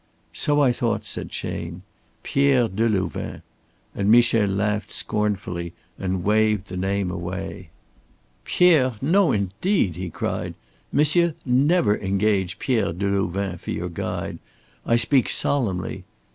"So I thought," said Chayne. "Pierre Delouvain," and Michel laughed scornfully and waved the name away. "Pierre! No, indeed!" he cried. "Monsieur, never engage Pierre Delouvain for your guide. I speak solemnly.